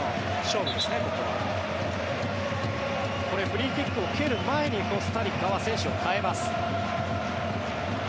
フリーキックを蹴る前にコスタリカは選手を代えます。